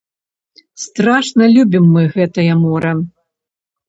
Страшна любім мы гэтае мора.